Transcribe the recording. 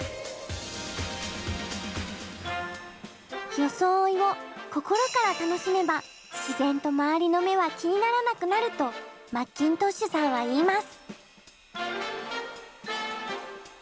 よそおいを心から楽しめば自然と周りの目は気にならなくなるとマッキントッシュさんは言います。